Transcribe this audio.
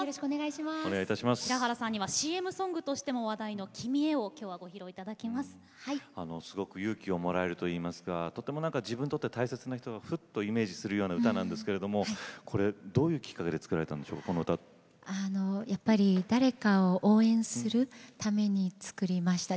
平原さんにはＣＭソングとしても話題の「キミへ」を勇気をもらえるといいますかとても自分にとって大切な人をふとイメージするような歌なんですけれどどういうきっかけで作られた誰かを応援するために作りました。